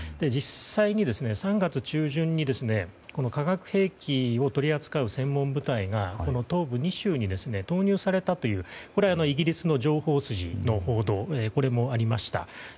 実際に、３月中旬に化学兵器を取り扱う専門部隊が東部２州に投入されたというこれはイギリスの情報筋の報道もありました。